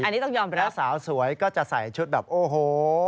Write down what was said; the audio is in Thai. อันนี้ต้องยอมหรือข้าวพระสาวสวยก็จะใส่ชุดแบบโอ้โฮ